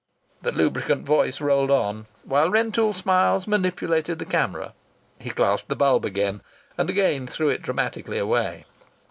The lubricant voice rolled on while Rentoul Smiles manipulated the camera. He clasped the bulb again and again threw it dramatically away.